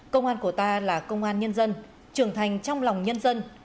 công an của ta là công an nhân dân trưởng thành trong lòng nhân dân